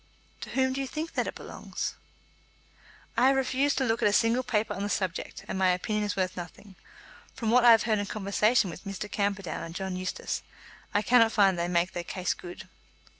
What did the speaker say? "To whom do you think that it belongs?" "I have refused to look at a single paper on the subject, and my opinion is worth nothing. From what I have heard in conversation with Mr. Camperdown and John Eustace, I cannot find that they make their case good."